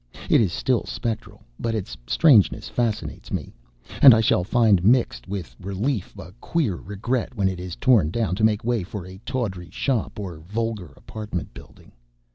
It is still spectral, but its strangeness fascinates me, and I shall find mixed with my relief a queer regret when it is torn down to make way for a tawdry shop or vulgar apartment building.